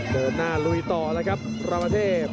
เดินหน้าลุยต่อแล้วครับราวเทพ